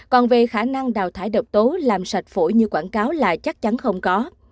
còn về khả năng đào thải độc tố làm sạch phổi như quảng cáo là chắc chắn không có